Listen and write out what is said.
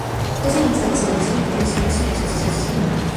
Dos años más tarde se organizó en Atenas su primera exposición individual.